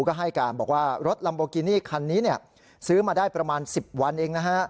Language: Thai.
ก็ให้การบอกว่ารถลัมโบกินี่คันนี้ซื้อมาได้ประมาณ๑๐วันเองนะฮะ